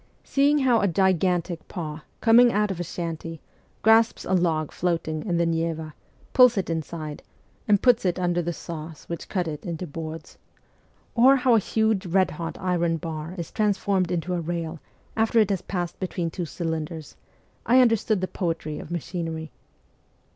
Seeing how a gigantic paw, coming out of a shanty, grasps a log floating in the Neva, pulls it inside, and puts it under the saws which cut it into boards ; or how a huge red hot iron bar is transformed into a rail after it has passed between two cylinders, I understood the poetry of machinery.